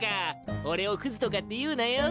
俺をクズとかって言うなよ